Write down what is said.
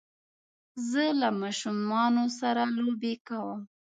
زه له ماشومانو سره لوبی کوم